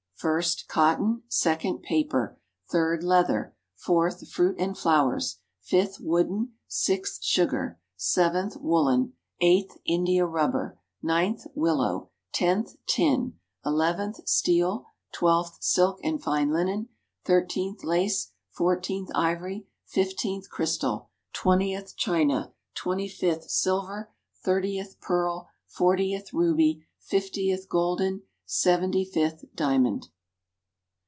= First, cotton; Second, paper; Third, leather; Fourth, fruit and flowers; Fifth, wooden; Sixth, sugar; Seventh, woolen; Eighth, India rubber; Ninth, willow; Tenth, tin; Eleventh, steel; Twelfth, silk and fine linen; Thirteenth, lace; Fourteenth, ivory; Fifteenth, crystal; Twentieth, china; Twenty fifth, silver; Thirtieth, pearl; Fortieth, ruby; Fiftieth, golden; Seventy fifth, diamond.